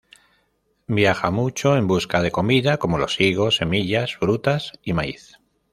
Viaja mucho en busca de comida como los higos, semillas, frutas y maíz.